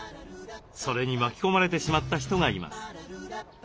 それに巻き込まれてしまった人がいます。